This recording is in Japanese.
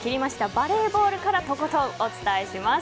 バレーボールからとことんお伝えします。